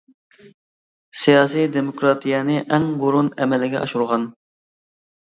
سىياسىي دېموكراتىيەنى ئەڭ بۇرۇن ئەمەلگە ئاشۇرغان.